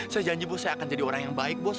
saya janji bos saya akan jadi orang yang baik bos